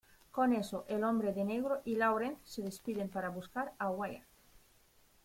Con eso, el Hombre de Negro y Lawrence se despiden para buscar a Wyatt.